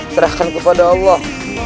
serahkan kepada allah